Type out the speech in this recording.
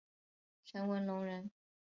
陈文龙人。